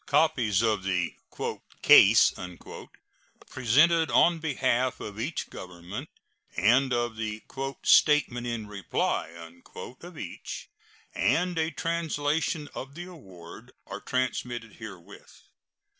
Copies of the "case" presented on behalf of each Government, and of the "statement in reply" of each, and a translation of the award, are transmitted herewith.